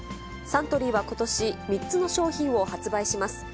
サントリーはことし、３つの商品を発売します。